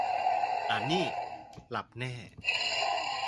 อ่านนี่ หลับแน่